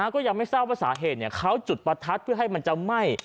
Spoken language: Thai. ก็ยังไม่ทราบว่าสาเหตุเขาจุดประทัดเพื่อให้มันจะไหม้